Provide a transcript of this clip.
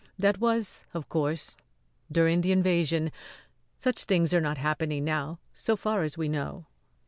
That was, of course, during the invasion such things are not happening now so far as we know."